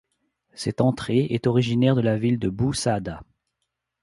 Cette entrée est originaire de la ville de Bou Saâda.